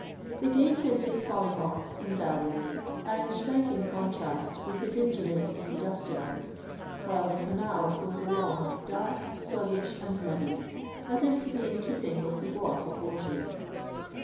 The gay tinted holly hocks and dahlias are in striking contrast with the dinginess of the dust yards, while the canal flows along, dark, sluggish, and muddy, as if to be in keep ing with the wharf it washes.